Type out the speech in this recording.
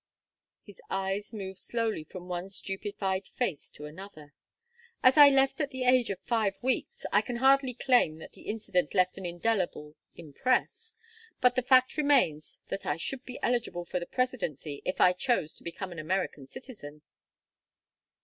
His eyes moved slowly from one stupefied face to another. "As I left at the age of five weeks I can hardly claim that the incident left an indelible impress. But the fact remains that I should be eligible for the presidency if I chose to become an American citizen."